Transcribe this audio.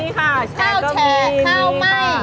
มีค่ะแชร์ก็มีข้าวแชร์ข้าวไม่